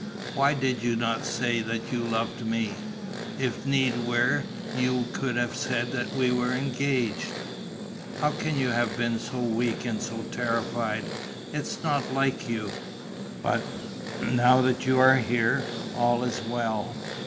Why did you not say that you loved me? If need were, you could have said that we were engaged. How can you have been so weak and so terrified? It's not like you! But, now that you are here, all is well.